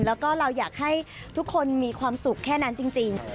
แล้วก็เราอยากให้ทุกคนมีความสุขแค่นั้นจริง